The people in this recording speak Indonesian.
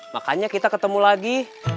makanya kita ketemu lagi